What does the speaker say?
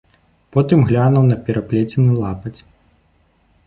Потым глянуў на пераплецены лапаць.